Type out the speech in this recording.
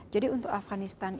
jadi untuk afganistan